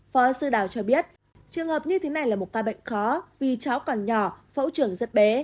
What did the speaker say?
phó sư đào cho biết trường hợp như thế này là một ca bệnh khó vì cháu còn nhỏ phẫu trường rất bé